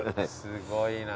すごいな。